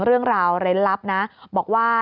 เรื่องราวเร้นลับนะบอกว่า